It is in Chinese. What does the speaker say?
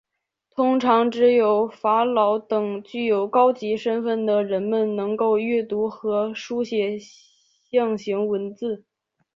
通常只有法老等具有高级身份的人们能够阅读和书写象形文字。